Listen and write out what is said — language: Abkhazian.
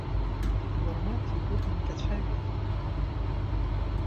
Уармаҭ игәы дынҭацәажәеит.